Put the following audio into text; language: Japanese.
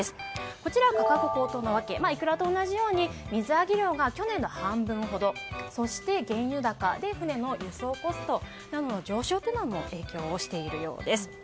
こちら、価格高騰の訳イクラと同じように水揚げ量が去年の半分ほどそして原油高で船の輸送コストの上昇というのも影響しているそうです。